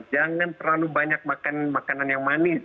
jangan terlalu banyak makan makanan yang manis